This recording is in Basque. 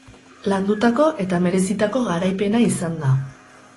Landutako eta merezitako garaipena izan da.